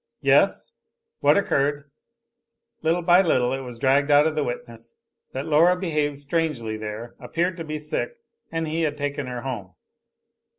Yes. What occurred? Little by little it was dragged out of the witness that Laura had behaved strangely there, appeared to be sick, and he had taken her home.